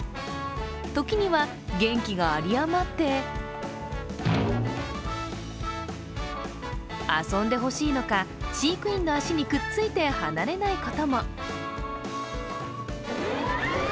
時には元気があり余って遊んでほしいのか、飼育員の足にくっついて離れないことも。